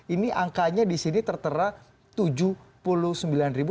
ini angkanya di sini tertera rp tujuh puluh sembilan